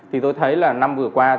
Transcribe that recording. thì tôi thấy là năm vừa qua